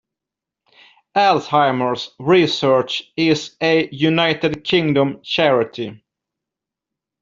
Alzheimer's Research is a United Kingdom charity.